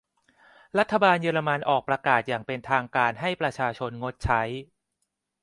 รัฐบาลเยอรมันออกประกาศอย่างเป็นทางการให้ประชาชนงดใช้